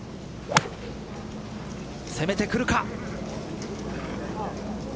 攻めてくるか。